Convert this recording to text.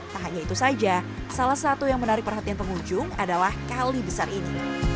tak hanya itu saja salah satu yang menarik perhatian pengunjung adalah kali besar ini